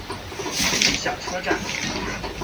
地下车站。